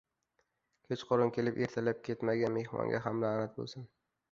kechqurun kelib ertalab ketmagan mehmonga ham la’nat bo‘lsin.